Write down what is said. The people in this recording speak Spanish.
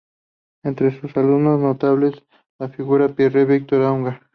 Entre sus alumnos notables figura Pierre Victor Auger.